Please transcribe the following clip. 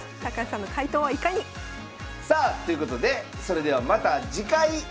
高橋さんの回答はいかに⁉さあということでそれではまた次回！